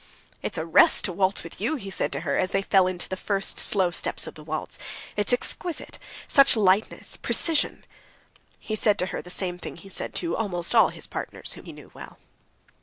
"It's a rest to waltz with you," he said to her, as they fell into the first slow steps of the waltz. "It's exquisite—such lightness, precision." He said to her the same thing he said to almost all his partners whom he knew well.